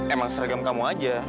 emang seragam kamu aja